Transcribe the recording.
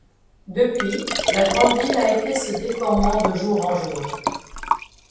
Depuis, la grande ville a été se déformant de jour en jour.